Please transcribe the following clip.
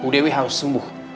dewi harus sembuh